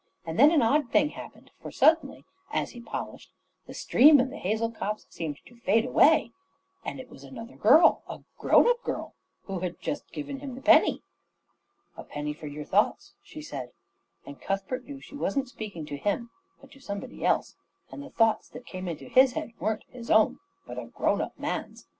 And then an odd thing happened, for suddenly, as he polished, the stream and the hazel copse seemed to fade away; and it was another girl a grown up girl who had just given him the penny. "A penny for your thoughts," she said, and Cuthbert knew that she wasn't speaking to him, but to somebody else; and the thoughts that came into his head weren't his own, but a grown up man's.